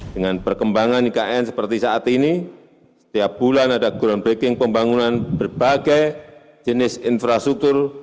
dengan perkembangan ikn seperti saat ini setiap bulan ada groundbreaking pembangunan berbagai jenis infrastruktur